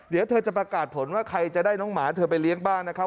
เดี๋ยวเธอจะประกาศผลว่าใครจะได้น้องหมาเธอไปเลี้ยงบ้างนะครับ